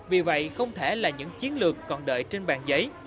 vì vậy không thể là những chiến lược còn đợi trên bàn giấy